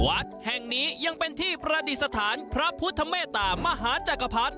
วัดแห่งนี้ยังเป็นที่ประดิษฐานพระพุทธเมตามหาจักรพรรดิ